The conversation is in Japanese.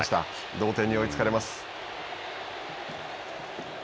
同点に追いつかれます。